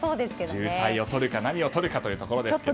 渋滞をとるか何をとるかというところですが。